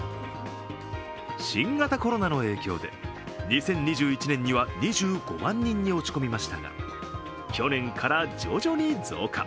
新型コロナの影響で２０２１年には２５万人に落ち込みましたが去年から徐々に増加。